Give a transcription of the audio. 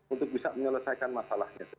untuk bisa menyelesaikan masalahnya